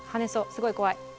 すごい怖い。